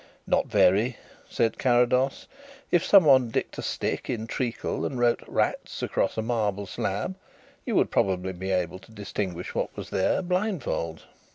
"Not very," said Carrados. "If someone dipped a stick in treacle and wrote 'Rats' across a marble slab you would probably be able to distinguish what was there, blindfold."